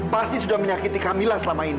pasti sudah menyakiti kamila selama ini